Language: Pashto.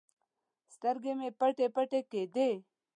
سترګې مې پټې پټې کېدې.